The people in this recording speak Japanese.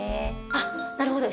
あっなるほど。